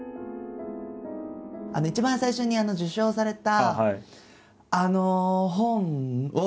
一番最初に受賞された本を。